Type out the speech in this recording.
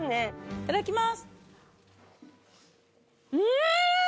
いただきます。